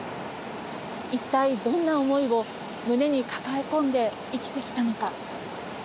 いったい、どんな思いを胸に抱え込んで生きてきたのか。